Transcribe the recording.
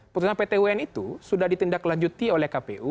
putusan pt un itu sudah ditindaklanjuti oleh kpu